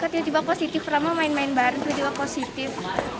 tiba tiba positif lama main main baru tiba positif